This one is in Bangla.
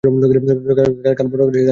কাল বড় গেলাসে আনিয়ে নেব ক্ষণ।